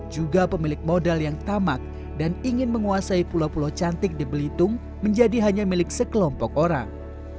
juga pemilik modal yang tamak dan ingin menguasai pulau pulau cantik di belitung menjadi hanya milik sekelompok orang